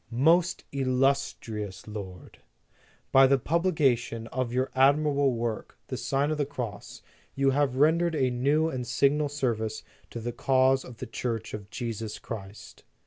MOST ILLUSTRIOUS LORD : "By the publication of your admirable work, The Sign of the Cross, you have rendered a new and signal service to the cause of the Church of Jesus Christ.